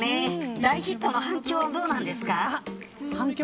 大ヒットの反響はどうなんですか